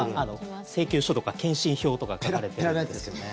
請求書とか、検針票とか書かれているやつですけども。